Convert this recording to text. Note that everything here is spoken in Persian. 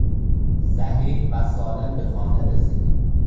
صحیح و سالم به خانه رسیدیم.